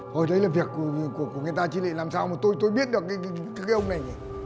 hồi đấy là việc của người ta chứ lại làm sao mà tôi biết được cái ông này nhỉ